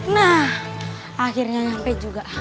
nah akhirnya nyampe juga